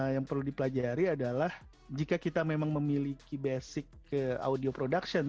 yang perlu dipelajari adalah jika kita memang memiliki basic audio production